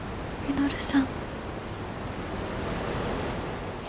稔さん。